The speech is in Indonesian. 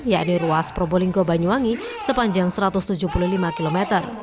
yakni ruas probolinggo banyuwangi sepanjang satu ratus tujuh puluh lima km